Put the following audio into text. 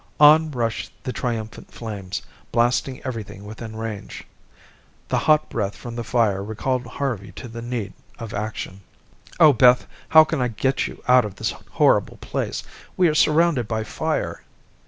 On rushed the triumphant flames, blasting everything within range. The hot breath from the fire recalled Harvey to the need of action. "Oh, Beth, how can I get you out of this horrible place? We are surrounded by fire."